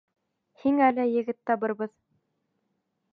Һиңә лә егет табырбыҙ.